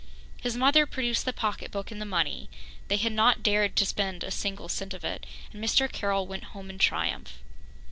His mother produced the pocketbook and the money they had not dared to spend a single cent of it and Mr. Carroll went home in triumph.